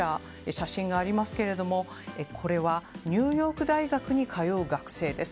写真がありますけどニューヨーク大学に通う学生です。